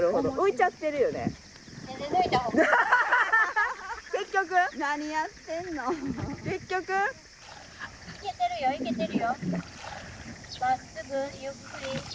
まっすぐゆっくり。